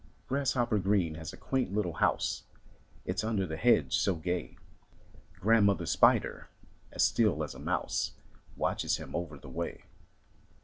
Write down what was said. Grasshopper Green has a quaint little house. It's under the hedge so gay. Grandmother Spider, as still as a mouse, Watches him over the way.